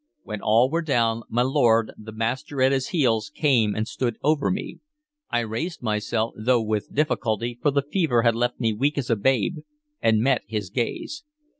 When all were down, my lord, the master at his heels, came and stood over me. I raised myself, though with difficulty, for the fever had left me weak as a babe, and met his gaze.